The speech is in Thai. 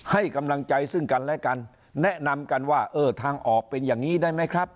ให้กำลังใจซึ่งกันและกันแนะนำกันว่าเออทางออกเป็นอย่างนี้ได้ไหมครับ